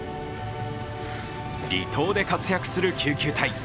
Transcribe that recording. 離島で活躍する救急隊。